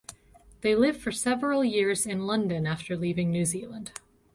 They lived for several years in London after leaving New Zealand.